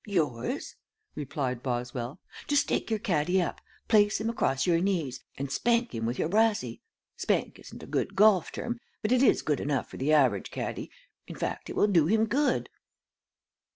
"Yours," replied Boswell. "Just take your caddy up, place him across your knees, and spank him with your brassey. Spank isn't a good golf term, but it is good enough for the average caddy; in fact, it will do him good."